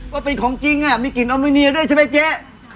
ว่าเป็นของจริงมีกลิ่นออมูเนียด้วยใช่ไหมเจ๊